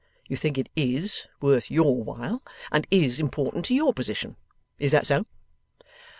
You think it IS worth YOUR while, and IS important to YOUR position. Is that so?